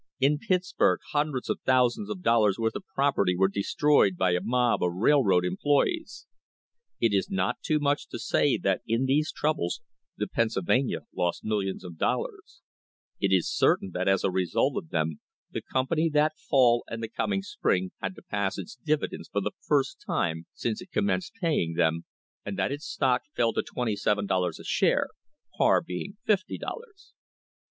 In Pittsburg hundreds of thousands of dollars' worth of property were destroyed by a mob of railroad employees. It is not too much to say that in these troubles the Pennsylvania lost millions of dollars; it is certain that as a result of them the company that fall and the coming spring had to pass its' dividends for the first time since it commenced paying them, and that its stock fell to twenty seven dollars a share (par being fifty dollars).